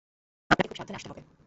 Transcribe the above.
আপনাকে খুব সাবধানে আসতে হবে।